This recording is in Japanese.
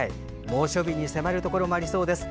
猛暑日に迫るところもありそうです。